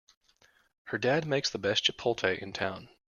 Her dad makes the best chipotle in town!